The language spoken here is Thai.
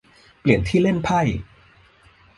เปลี่ยนที่เล่นไพ่